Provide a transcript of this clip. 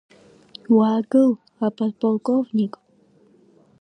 Уаагыл, аподполковник!